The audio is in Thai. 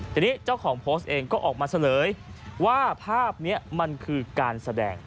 ทีนี้เจ้าของโพสต์เองก็ออกมาเฉลยว่าภาพนี้มันคือการแสดง